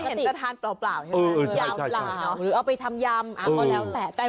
เคยเห็นจะทานเปล่าเปล่าใช่ไหมเออเออใช่ใช่ใช่เอาไปทำยำเอาก็แล้วแต่